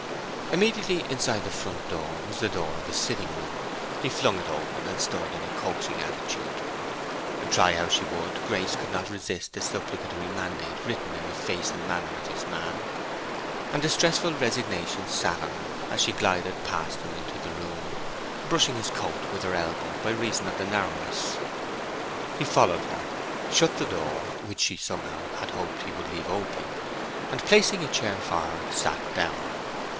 Immediately inside the front door was the door of his sitting room; he flung it open, and stood in a coaxing attitude. Try how she would, Grace could not resist the supplicatory mandate written in the face and manner of this man, and distressful resignation sat on her as she glided past him into the room—brushing his coat with her elbow by reason of the narrowness. He followed her, shut the door—which she somehow had hoped he would leave open—and placing a chair for her, sat down.